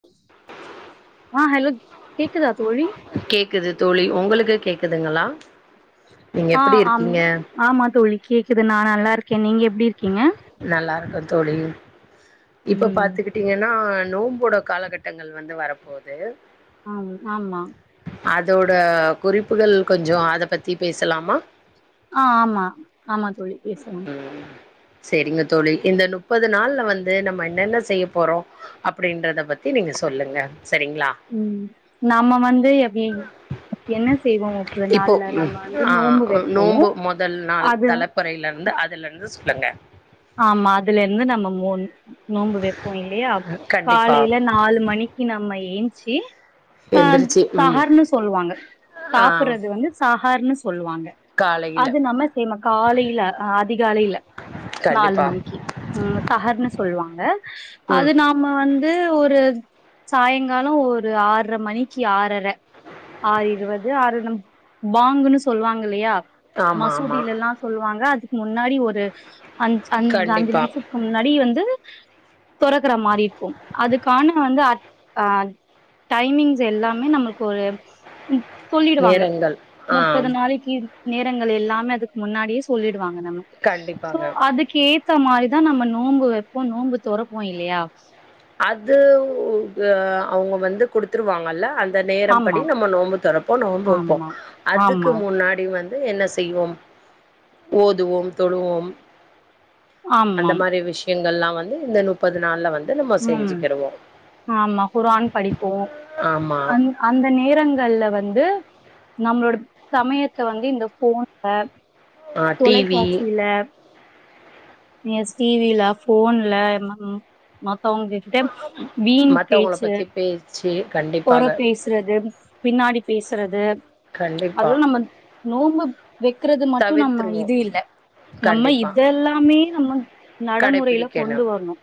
[inaudible] ஆ hello கேக்குதா தோழி கேக்குது தோழி ஒங்களுக்கு கேக்குதுங்களா நீங்க ஆ எப்படி அம் இருக்கீங்க ஆமா தோழி கேக்குது நா நல்லாருக்கே நீங்க எப்டி இருக்கீங்க நல்லாருக்க தோழி இப்ப ம் பாத்துக்கிட் டீங்கனா நோம்போட காலகட்டங்கள் வந்து வரப்போது ஆம் ஆமா அதோட குறிப்புகள் கொஞ்ச அத பத்தி பேசலாமா ஆ ஆமா ஆமா தோழி பேசலா சேரிங்க தோழி இந்த நுப்பது நாள்ல வந்து நம்ம என்னென்ன செய்ய போறோ அப்டின்றத பத்தி நீங்க சொல்லுங்க செரிங்ளா ம் நம்ம வந்து எப்டி என்ன செய்வோ முப்பது இப்போ நாள்ல நம்ம ம் வந்து ஆ நோம்பு அ வெப்போ நோம்பு மொதல் நாள் அது தல பொறையில இருந்து அதுலருந்து சொல்லுங்க ஆமா அதுலருந்து நம்ம மூன் நோம்பு வெப்போ இல்லையா கண்டிப்பா காலைல நா நாலு மணிக்கு நம்ம ஏந்ச்சு ஆ எந்திரிச்சு ம் தகர்ன்னு சொல்லுவாங்க ஆ சாப்புட்றது வந்து சஹர்ன்னு சொல்லுவாங்க காலையில அது நம்ம சேமா காலைல அதிகாலைல [inaudible] நாலு மணிக்கு ம் சஹர்ன்னு சொல்லுவாங்க ம் அது நா நம்ம வந்து ஒரு சாய்ங்கால ஒரு ஆற்ர மணிக்கு ஆறர ஆறு இருவது ஆறுநுப் பாங்குன்னு சொல்லுவாங்க இல்லையா ஆமா ஆமா மசூதிலலா சொல்லுவாங்க அதுக்கு முன்னாடி ஒரு அஞ் அஞ் அஞ்சு கண்டிப்பா நிம்ஷத் க்கு முன்னாடி வந்து தொறக்குற மாரி இருக்கு அதுக்கான வந்து அர்த் அ டைமிங்ஸ் எல்லாமே நமக்கு ஒரு ம் சொல்லிடுவாங்க நேரங்கள் ஆ முப்பது நாளைக்கி நேரங்கள் எல்லாமே அதுக்கு முன்னாடியே சொல்லிடுவாங்க நம்ம கண்டிப்பாங்க அதுக்கு ஏத்த மாரிதா நம்ம வெப்போ நோம்பு தொரப்போ இல்லையா அது உ ஆ அவுங்க வந்து குடுத்துருவாங்கல்ல அல் அந்த நேரப்படி ஆமாம் நம்ம நோம்பு தொரப்போ நோம்பு வெப்போ ஆமாம் அதுக்கு ஆமாம் முன்னாடி வந் ட்டு என்ன செய்வோம் ஓதுவோம் தொழுவோம் அந்த ஆமாம் மாரி விஷ்யங்கள்லா வந்து இந்த நுப்பது நாள்ல வந்து நம்ம ம் செஞ்சுக்கிருவோ ஆமா குரான் படிப்போ ஆமா அன் அந்த நேரங்கள்ல வந்து நம்மளோட சமயத்த வந்து இந்த ஃபோன்ல ஆ டிவி தொலைக்காட்சில எஸ் டி வி ல ஃபோன்ல ம் மத்தவ்ங்கிட் ட்ட வீண் மத்தவங்கள பேச்சு பத்தி பேச்சு கண்டி கொற பேசுறது பின்னாடி பேசுறது கண்டிப்பா அதுலா நம்ம நோம்பு வெக்கிறது மட்டு நம்ம தவிர்த்துருவோ இது இல்ல நம்ம கண்டிப்பா இதெல்லாமே நம்ம நடமுறைல கடைபிடிக்கணு கொண்டு வர்ணு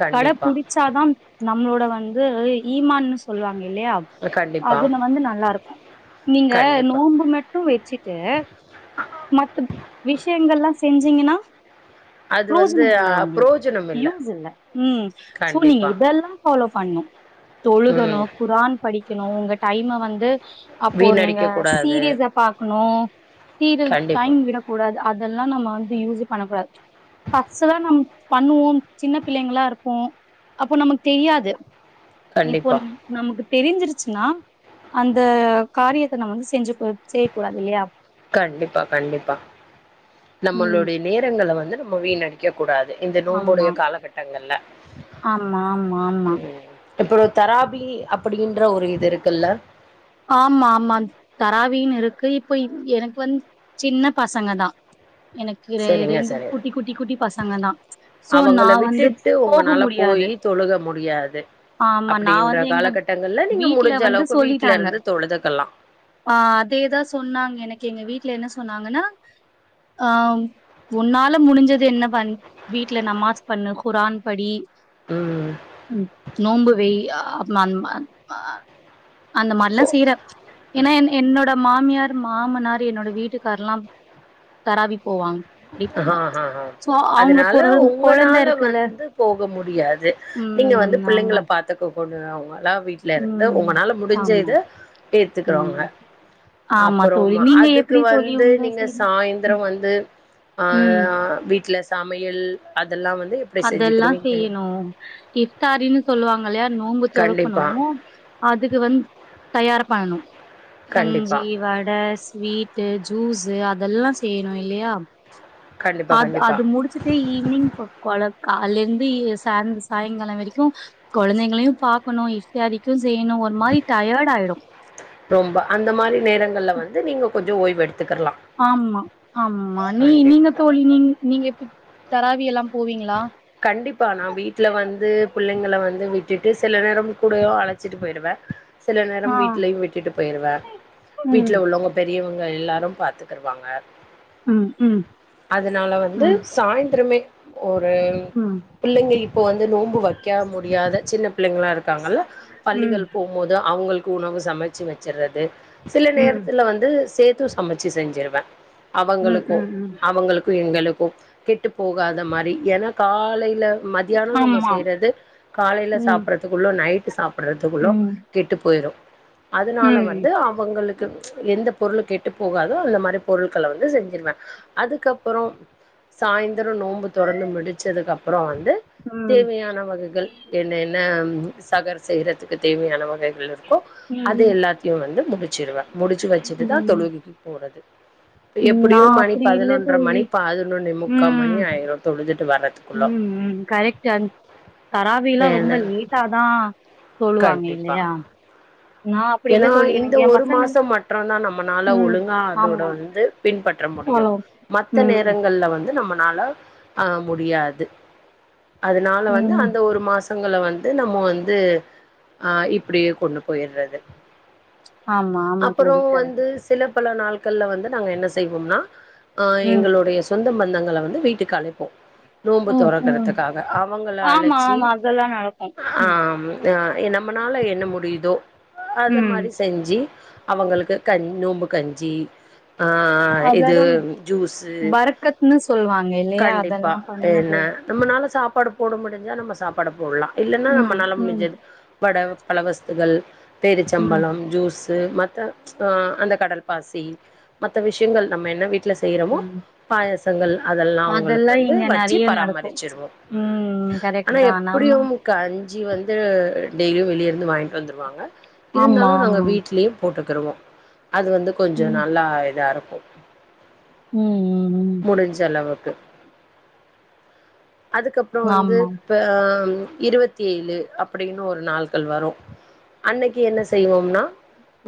கண்டிப்பா தாத்தா தான் நம்ளோட வந்து ஈமான்னு சொல்லுவாங்க இல்லையா கண்டிப்பா அதுல வந்து நல்லாருக்கும் நீங்க கண்டிப்பா நோம்பு மட்டும் வெச்சிட்டு மத்த விஷயங்கல்லா செஞ்சீங்கன்னா அது வந்து ப்ரோஜனம் அ இல்ல ஓங்களுக்கு புரோஜனம் யூஸ் இல்ல ம் சோ நீங்க கண்டிப்பா இதெல்லாம் ஃபாலோ பண்ணும் ம் தொழுகணும் குரான் படிக்கணும் உங்க டைம வந்து அப்போ நீங்க வீணடிக்க கூடாது சீரியஸா பாக்கணும் சீர் கண்டிப்பா டைம் விடக்கூடாது கூடாது அதெல்லாம் நம்ம வந்து யூஸ் பண்ணக் கூடாது ஃபர்ஸ்டுலா நம்ப பண்ணுவோம் சின்ன பிள்ளைங்களா இருப்போம் அப்போ நமக்கு தெரியாது இப்போ கண்டிப்பா நமக்கு தெரிஞ்சிருச்சுனா அந்த காரியத்த நம்ப வந்து செஞ்சு செய்ய கூடாது இல்லயா கண்டிப்பா கண்டிப்பா ம் நம்மளோட நேரங்கள வந்து நம்ம வீண்ணடிக்க கூடாது இந்த ஆமா நோம்போடய காலகட்டங்கள்ல ஆமா ஆமா ஆமா ம் இப்போ தராபி அப்டின்ற ஒரு இது இருக்குல்ல ஆமா ஆமா தராவின்னு இருக்கு இப்ப எனக்கு வந்து சின்ன பசங்கதா எனக்கு சரிங்க ரெண்டு சரி குட்டி குட்டி குட்டி பசங்கதான் சோ அவங்கள நான் வந்து விட்டுட்டு போக உங்கனால போய் முடியாது தொழுக முடியாது ஆமா நா அப்டின்ற வந்து எங்க காலகட்டங்கள்ல நீங்க வீட்ல முடிஞ்ச வந்து அளவுக்கு வீட்ல சொல்லிட்டாங்க இருந்து தொழுதுக்கலாம் ஆ அதேதான் சொன்னாங்க எனக்கு எங்க வீட்ல என்ன சொன்னாங்கன்னா ஆ ஒன்னால முடிஞ்சது என்ன பண்னு வீட்ல நமாஸ் பண்ணு குரான் படி ம் நோம்பு வை அ அந்த மா அ அந்த மா செய்றேன் ஏன்னா என் என்னோட என்னோட மாமியார் மாமனார் என்னோட வீட்டுக்கார்லாம் தராவி போவாங்க ஆ ஹ படிப்பாங்க ஹ ஹா சோ அவங்க அதனால பொருள் கொழந்த ஒங்கனால இருக்குல்ல வந்து போக முடியாது நீங்க வந்து ம் ஆமா புள்ளைங்கள பாத்துக்ககூடியவங்களா வீட்ல ல இருந்து ம் ஒங்கனால முடிஞ்ச ஆமா இது ஏத்துக்கோங்க ம் ஆமா தோழி அப்பறமா நீங்க அதுக்கு எப்டி தோழி வந்து உங்க நீங்க சைடு சாய்ந்தரம் வந்து ஆ ம் வீட்டுல சமையல் அதெல்லாம் வந்து எப்டி அதெல்லாம் செஞ்சுக்கிருவீங்க செய்யணும் இஃப்தாரின்னு சொல்லுவாங்க இல்லயா நோம்பு கண்டிப்பா தொறக்கணும் அதுக்கு வந்து தயார் பண்ணணும் கண்டிப்பா கஞ்சி வட அ ஸ்வீட்டு ஜூஸ்சு அதெல்லாம் செய்யணும் இல்லையா கண்டிப்பா அது கண்டிப்பா அது முடிச்சுட்டு ஈவி்னிங் கொல கால்லஇருந்து சாந் சாயங்காலம் வரைக்கும் கொழந்தைங்களையும் பாக்கணும் க்கும் செய்யணும் ஒரு மாரி டயர்டாய்டுது ரொம்ப அந்த மாரி நேரங்கள்ல வந்து நீங்க கொஞ்சம் ஓய்வு எடுத்துகற்ல்லாம் ஆமா ஆமா நீ நீங்க தோழி நீங்க நீங்க எப்டி தராவில்லாம் போவீங்களா கண்டிப்பா நான் வீட்ல வந்து புள்ளைங்க வந்து விட்டுட்டு சில நேரம் கூடயோ அழச்சிட்டு போய்டுவேன் சில நேரம் ஆ வீட்லயும் விட்டுட்டு போய்டுவேன் ம் வீட்ல உள்ளவங்க பெரியவங்க எல்லாரும் பாத்துக்குருவாங்க ம் ம் அதனால ம் வந்து ம் சாய்ந்தரமே ஒரு ம் பிள்ளைங்க இப்ப வந்து நோம்பு வைக்க முடியாத சின்ன புள்ளைங்களா இருக்காங்கல்ல பள்ளிகள் போ போது அவுங்களுக்கு உணவு சமைச்சு வச்சுறது சில ம் நேரத்துல வந்து சே சேத்து சமைச்சு செஞ்சிருவேன் ம் அவங்களுக்கும் ம் ம் அவங்களுக்கும் எங்களுக்கும் கெட்டு போகாத மாரி ஏன்னா காலைல ம மத்யாணொ நம்ம ஆமா செய்றது காலைல ம் சாப்புட்றதுக்குள்ளொ நைட்டு சாப்புட்றதுக்குள்ளொ ம் கெட்டு போய்ரு அதுனால ம் வந்து அவங்களுக்கு எந்த பொருள் கெட்டு போகாதோ அந்த மாரி பொருள்கள வந்து செஞ்சிருவே அதுக்கப்பறொ சாய்ந்தரொ நோம்பு தொறந்து முடி ச்சதுக்கு அப்பறொ வந்து ம் தேவயாண வகைகள் என்னென்ன சகர் செய்ற துக்கு தேவையன வகைகள் இருக்கோ அது ம் எல்லாத்தியு வந்து முடுச்சிருவ முடுச்சு வச்சுட்டுதா ம் தொழுகக்கி போறது நா எப்டியு மணி அப்டி இல்ல பதினொன்ற மணி தோழி பதினொன்னே முக்கா மணி ம் ஆயிரு தொழுதுட்டு வர்ற ம் ம் கரெக்ட்டு அந் தராவிலா ரொம்ப ஏன்னா லேட்டாதா தொழுவாங்க இல்லையா நா அப்டி இல்ல ஏனா தோழி இந்த எனக்கு எ ஒரு பசங்களு மாசம் மற்று தா நம்மனால ம் ஒழுங்கா அதோட ஆமா வந்து பின்பற்ற முடியு ஹலோ மத்த ம் நேரங்கள்ல வந்து நம்மனால ஆ முடியாது அதுனால வந்து ம் அந்த ஒரு மாச பசங்கள வந்து நம்ம வந்து ஆ இப்டியே கொண்டு போயிறது ஆமா ஆமா தோழி கரெக் வந்து சில பல நாள்கள்ல வந்து நாங்க என்ன செய்வோம்னா அ ம் எங்களொடைய சொந்த பந்தங்கள வந்து வீட்டுக்கு அழைப்போ நோம்பு ம் ம் தொறக்கறதுக்காக அவுங்கள ஆமா அழச்சி ஆமா அதெல்லா நடக்கு ஆ அ எ நம்மனால என்ன முடியுதோ அத ம் மாரி செஞ்சி அவங்களுக்கு கஞ் நோம்பு கஞ்சி ஆ ஆ இது அததா ஜூஸு பரக்கத்ன்னு சொல்லுவாங்க இல்லையா கண்டிப்பா அதெல்லா பண்ணது என்ன நம்மனால சாப்பாடு போட முடிஞ்சா நம்ம சாப்பாடு போட்லா இல்லன்னா ம் நம்மனால ம் முடிஞ்சது வட பழவஸ்துகள் ம் பேரிச்சம்பளம் ஜூஸு மத்த ஆ அந்த கடல் பாசி மத்த விஷ்யங்கள் நம்ம என்ன வீட்டுல செய்றமோ ம் பயாசங்கள் அதெல்லா அவுங்களுக்கு வந்து இங்க வச்சு நெறைய நடக்கு பராமரிச்சிரேவோ ம் கரெக்ட் ஆனா தா நம்ம எப்டியு கஞ்சி வந்து டெய்லியு வெளிய இருந்து வாங்கிட்டு வந்துருவா வாங்க ஆமா இருந்தாலு நாங்க ஆமா வீட்லயு போட்டுக்கிருவோ அது வந்து கொஞ்சொ ம் நல்லா இதா இருக்கு ம் ம் ம் முடுஞ்சளவுக்கு அதுக்கப்றொ வந்து ஆமா ப்ப இருவத்தி ஏழு அப்டின்னு ஒரு நாள்கள் வரு அன்னைக் கி என்ன செய்வோம்னா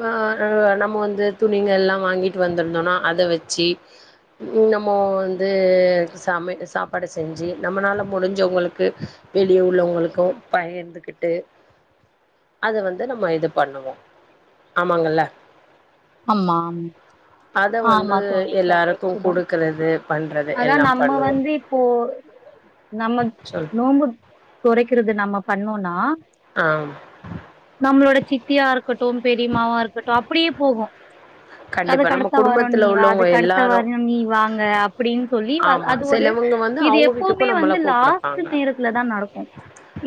வ அ நம்ம வந்து துணிங்கெல்லா வாங்கிட்டு வந்துருந்தோனா அத வெச்சி நம்மோ வந்து சமை சாப்பாடு செஞ்சி நம்மனால முடிஞ்சவங்ளுக்கு வெளிய உள்ளவங்ளுக்கு பயந்துகிட்டு அத வந் து நம்ம இது பண்ணுவோ ஆமாங்கல்ல ஆமாம் அத ஆமா வந்து தோழி எல்லாருக்கு கரெக்ட்டு தா குடுக்கறது பண்றது அதா எல்லா நம்ம பண்ணுவோ வந்து இப்போ நம்ம சொல் நோம்பு தொறைக்கிறது நம்ம பண்ணோன்னா ஆம் நம்ளோட சித்தியா இருக்கட்டு பெரிமாவா இருக்கட்டு அப்டியே போகு கண்டிப்பா நம்ம அதுக்கடுத்த வரோ நீ குடும்பத்துல வா உள்ளவங்க அதுக் கடுத்த எல்லாரு வரோ நீ வாங்க அப்டின் சொல்லி வ மா செலவுங்க வந்து அவுங்க வீட்டுக்கு நம்மள லாஸ்ட் கூப்புடப்பாங்க நேரத்துலதா நடக்கு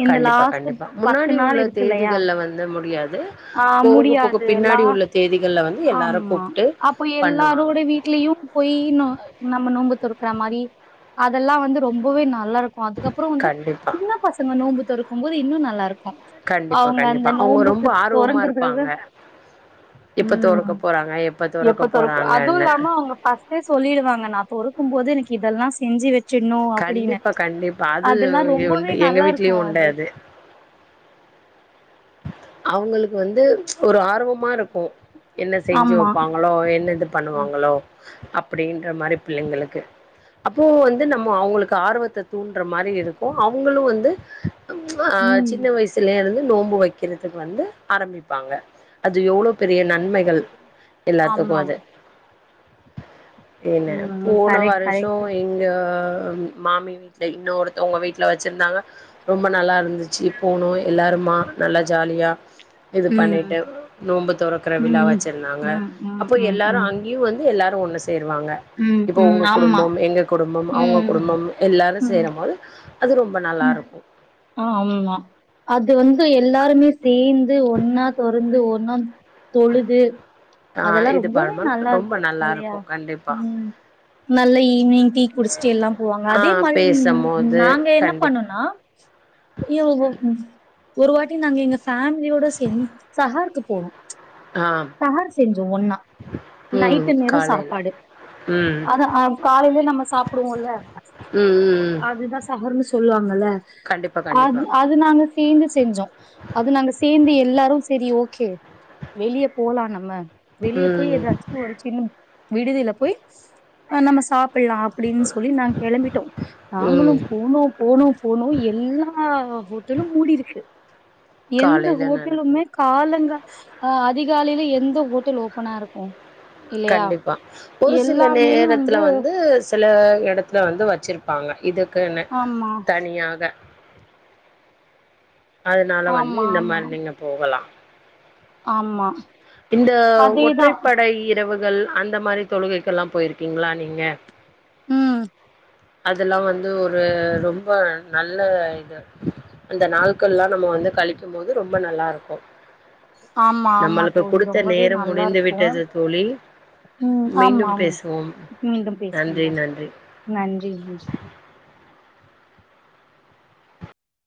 இந்த கண்டிப்பா லாஸ்ட் கண்டிப்பா பத்து முன்னாடி உள்ள நாள் இருக்கு இல்லையா தேதிகள்ல வந்து முடியாது ஆ போக போக முடியாது பின்னாடி உள்ள தேதிகள்ல வந்து எல்லாரு மா கூப்ட்டு அப்ப பண்ணுவாங்க எல்லாரோட வீட்லயு போயி நோ நம்ம நோம்பு தொறுக்குறா மாரி அதெல்லா வந்து ரொம்பவே நல்லாருக் கு அதுக்கப்றொ வந்து கண்டிப்பா சின்ன பசங்க நோம்பு தொறக்கும் போது இன்னு நல்லாருக்கு கண்டிப்பா கண்டிப்பா அவுங்க ரொம்ப ஆர்வமா தொறங்கறதுக்காக இருப்பாங்க இப்ப தொறக்க ம் போறாங்க எப்ப தொறக்க போறாங்கன்னு அவுங்க ஃபஸ்டே சொல்லிடுவாங்க நா தொறக்கும் போது எனக்கு இதெல்லா செஞ்சு வெச் சின்னு அப்டின்னு கண்டிப்பா கண்டிப்பா அது அதுல்லா ரொம்பவே உண்டு எங்க நல்லாருக்கு வீட்லயு உண்டு அது அவுங்ளுக்கு வந்து ஒரு ஆர்வமா இருக்கு என்ன செஞ்சு ஆமா வெப்பாங் களோ என்ன இது பண்ணுவாங்ளோ அப்டின்ற மாரி புள்ளைங்ளுக்கு அப்பவு வந்து நம்ம அவுங்ளுக்கு ஆர்வத்த தூண்டுற மாரி இருக்கு அவங்ளு வந்து ம் சின்ன வயசுலய இருந்து நோன்பு வைக் கிறதுக்கு வந்து ஆரம்பிப்பாங்க அது எவ்ளோ பெரிய நன்மை எல்லாத்துக்கு ஆமா அது என்ன ம் போன கரெக்ட் வருஷோ கரெக்ட் எங் ஆ மாமி வீட்ல இன்னொருத்தவங்க வீட் வீட்ல வெச்சிருந்தாங்க ரொம்ப நல்லா இருந்துச்சு போணோ எல்லாருமா நல்லா ஜாலியா இது ம் பண்ணிட்டு நோன்ம்பு தொறக்கற விழா ம் வச்சிருந்தாங்க ம் ம் அப்போ ம் எல்லாரு ம் அங் வந்து எல்லாரு ஒண்ணு சேருவாங்க ம் இப்ப ம் உங்க ஆமா குடும்பம் எங்க குடும்பம் அவுங்க ம் குடும்பம் எல்லாரு ம் சேரும்போது அது ரொம்ப நல்லா இருக்கு ஆமா அது வந்து எல்லாருமே சேந்து ஒன்னா தொறந்து ஒன்னா தொழுது ஆ அதெல்லா இது ரொம்பவே பண்ணும்போது நல்லா ரொம்ப இருக்கு நல்லா இல்லையா இருக்கு கண்டிப்பா உம் நல்ல ஈவினிங் டீ குடிச்ட்டு எல்லா போவாங்க ஆ அதே மாரி பேசம்போது நாங்க என்ன பண்ணு கண்டிப்பா ஆ [unintelligible] ஒரு வாட்டி நாங்க எங்க ஃபேமிலியோட சேந் சகார்க்கு போனோ ஆ சகார் செஞ்சோ ஒன்னா ம் நைட்டு நேரோ காலைல சாப்பாடு ம் அதஹ் ஆ காலைல நம்ம சாப்டுவோம்ல ம் ம் ம் அதுதா சகர் னு சொல்லுவாங்கல்ல கண்டிப்பா கண்டிப்பா அது நாங்க சேந்து செஞ்சோ அது நாங்க சேந்து எல்லாரு செரி ஓகே வெளியே போலா நம்ம வெளியே போய் ம் ஏதாச்சு ஒரு சின்ன விடுதில போயி ஆ நம்ம சாப்பிட்லா அப்டின் சொல்லி நான் கெளம்பிட்டோ நாங்ளு ம் போனோ போனோ போனோ எல்லா ஹோட்டலு மூடிருக்கு எந்த காலையில நேரத்துல ஹோட்டலுமே காலங்கா அ அதிகாலைல எந்த ஹோட்டல் ஓப்பனா இருக்கு இல்லையா கண்டிப்பா ஒரு சில நேரத்துல வந்து சில இடத்துல வந்து வெச்சுருப்பாங்க இதுக்குனு ஆமா தனியாக அதனால வந்து ஆமா இந்த ஆமா மாரி நீங்க போகலா ஆமா இந்த அதேதா ஒற்றைப்படை இரவுகள் அந்த மாரி தொழுகைக்கு எல்லா போயிருக்கீங்களா நீங்க ம் அதெல்லா வந்து ஒரு ரொம்ப நல்ல இது அந்த நாட்கள் எல்லா நம்ம வந்து கழிக்கும் போது ரொம்ப நல்லா இருக்கு ஆமா ஆமா நம்மளுக்கு தோழி குடுத்த ரொம்பவே நேரம் நல்லா முடிந்து இருக்கு விட்டது தோழி உம் ஆமா மீண்டும் ஆம் பேசுவோம் மீண்டும் பேசலா நன்றி தோழி நன்றி நன்றி